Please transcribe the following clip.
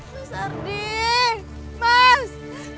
mas ardi mas